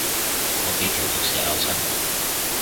我俾條毒蛇咬親